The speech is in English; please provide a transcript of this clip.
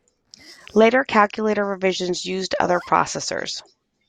Later calculator revisions used other processors.